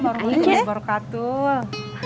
baru dulu baru katul